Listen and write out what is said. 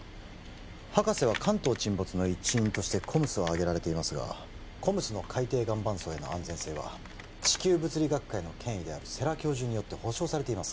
博士は関東沈没の一因としてＣＯＭＳを挙げられていますがＣＯＭＳの海底岩盤層への安全性は地球物理学界の権威である世良教授によって保証されています